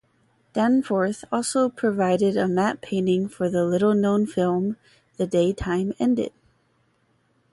Danforth also provided a matte painting for the little-known film, "The Day Time Ended".